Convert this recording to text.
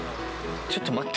ちょっと待って。